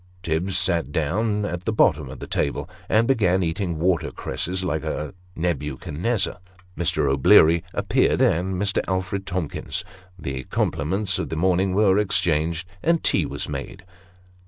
Tibbs sat down at the bottom of the table, and began eating water cresses like a Nebuchadnezzar. Mr. O'Bleary appeared, and Mr. Alfred Tomkins. The compliments of the morning were exchanged, and the tea was made.